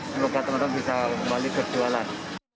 semoga teman teman bisa kembali berjualan